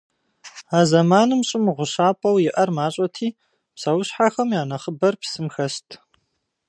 А зэманым Щӏым гъущапӏэу иӏэр мащӏэти, псэущхьэм я нэхъыбэр псым хэст.